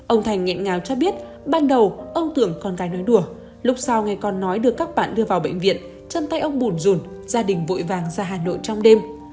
ông thành nghẹn ngào cho biết ban đầu ông tưởng con gái nói đùa lúc sau ngày con nói được các bạn đưa vào bệnh viện chân tay ông bùn rùn gia đình vội vàng ra hà nội trong đêm